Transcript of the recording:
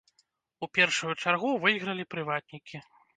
У першую чаргу выйгралі прыватнікі.